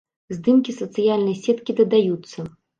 Здымкі з сацыяльнай сеткі дадаюцца.